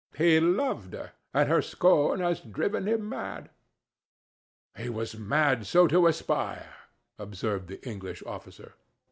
He loved her, and her scorn has driven him mad." "He was mad so to aspire," observed the English officer.